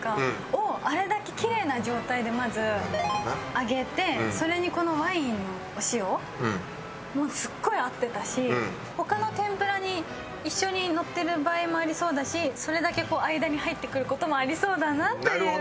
をあれだけきれいな状態でまず揚げてそれにこのワインのお塩もすっごい合ってたし他の天ぷらに一緒にのってる場合もありそうだしそれだけ間に入ってくる事もありそうだなっていう予想。